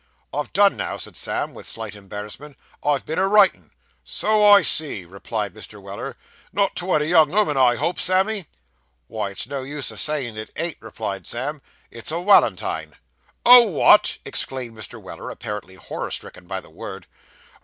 'I've done now,' said Sam, with slight embarrassment; 'I've been a writin'.' 'So I see,' replied Mr. Weller. 'Not to any young 'ooman, I hope, Sammy?' 'Why, it's no use a sayin' it ain't,' replied Sam; 'it's a walentine.' 'A what!' exclaimed Mr. Weller, apparently horror stricken by the word.